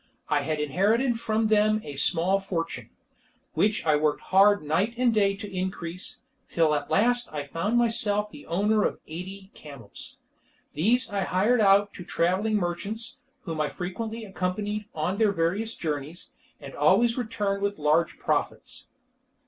I had inherited from them a small fortune, which I worked hard night and day to increase, till at last I found myself the owner of eighty camels. These I hired out to travelling merchants, whom I frequently accompanied on their various journeys, and always returned with large profits.